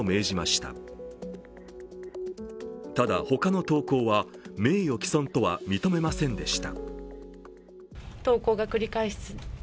ただ他の投稿は名誉毀損とは認めませんでした。